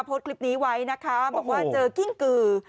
โพสต์คลิปนี้ไว้นะคะบอกว่าเจอกิ้งกือ